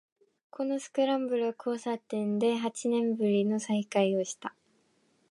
このスクランブル交差点で八年ぶりの再会をした